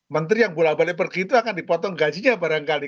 menteri yang bolak balik pergi itu akan dipotong gajinya barangkali